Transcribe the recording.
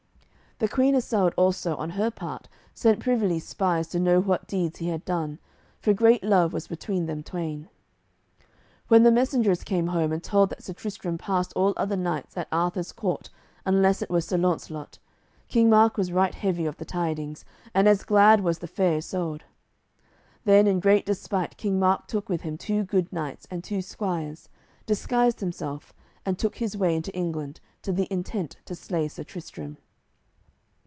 The Queen Isoud also on her part sent privily spies to know what deeds he had done, for great love was between them twain. When the messengers came home, and told that Sir Tristram passed all other knights at Arthur's court unless it were Sir Launcelot, King Mark was right heavy of the tidings, and as glad was the Fair Isoud. Then in great despite King Mark took with him two good knights and two squires, disguised himself, and took his way into England, to the intent to slay Sir Tristram.